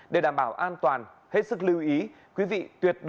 để đảm bảo an toàn hết sức lưu ý